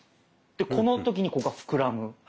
この時にここが膨らむ。